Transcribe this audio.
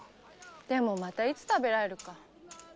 でもまたいつ食べられるか。